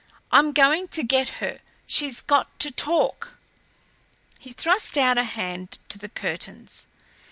"I'm going to get her. She's got to talk." He thrust out a hand to the curtains.